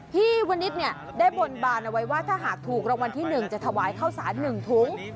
พี่วันนี้เนี้ยได้บ่นบานเอาไว้ว่าถ้าหากถูกรางวัลที่หนึ่งจะถาวายข้าวสารหนึ่งถุง